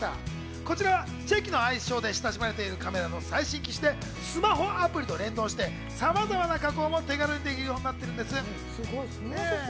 こちらはチェキの愛称で親しまれているカメラの最新機種でスマホアプリと連動してさまざまな加工も手軽にできるようになっているんです。